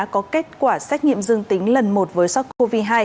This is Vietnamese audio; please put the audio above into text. có kết quả xét nghiệm dương tính lần một với sars cov hai